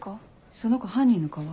その子犯人の顔は？